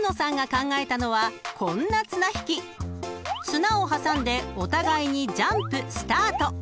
［綱を挟んでお互いにジャンプスタート］